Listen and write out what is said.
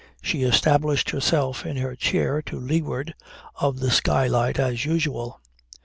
She established herself in her chair to leeward of the skylight as usual.